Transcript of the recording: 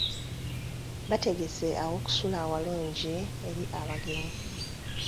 Bategese awokusula awalungi eri abagenyi.